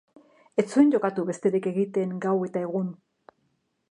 Ez zuen jokatu besterik egiten, gau eta egun.